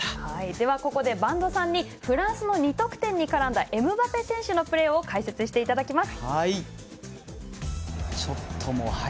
では、ここで播戸さんにフランスの２得点に絡んだエムバペ選手のプレーを解説していただきます。